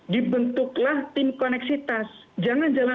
dibentuklah tim koneksitas jangan jangan